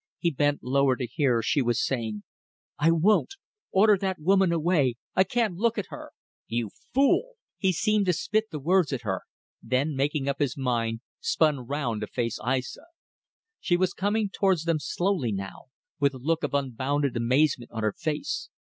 He bent lower to hear. She was saying "I won't. Order that woman away. I can't look at her!" "You fool!" He seemed to spit the words at her, then, making up his mind, spun round to face Aissa. She was coming towards them slowly now, with a look of unbounded amazement on her face.